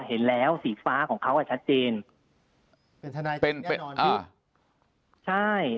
เห็นแล้วสีฟ้าของเขาอ่ะชัดเจนเป็นทนายเป็นเป็นใช่